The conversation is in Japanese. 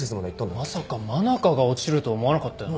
まさか真中が落ちるとは思わなかったよな。